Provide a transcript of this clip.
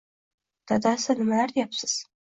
Dadasi nimalar deyapsiz